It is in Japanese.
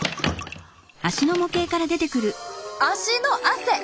足の汗！